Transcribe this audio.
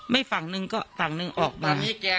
ไม่ฝั่งหนึ่งก็ฝั่งหนึ่งออกมา